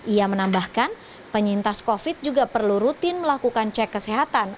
ia menambahkan penyintas covid juga perlu rutin melakukan cek kesehatan